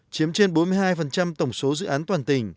chiếm trên bốn mươi hai tổng số dự án toàn tỉnh